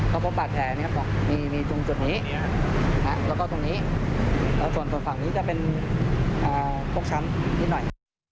เพราะว่าปาดแผลนี้ครับผมมีมีจุดนี้นะฮะแล้วก็ตรงนี้แล้วส่วนตัวฝั่งนี้จะเป็นอ่าพวกชั้นนิดหน่อย